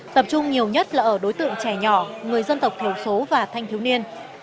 tập trung nhiều nhất là ở đối tượng trẻ nhỏ người dân tộc thiểu số và thanh thiếu niên